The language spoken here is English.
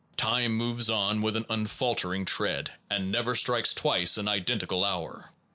Time moves on with an unfaltering tread, and never strikes twice an identical hour.